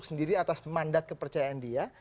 sendiri atas mandat kepercayaan dia